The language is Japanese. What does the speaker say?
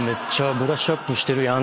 「ブラッシュアップしてるやん」